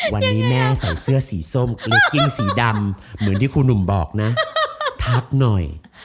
วันนี้แม่ใส่เสื้อสีส้มเกล็ดกิ้งสีดำเหมือนที่ครูหนุ่มบอกนะทักหน่อย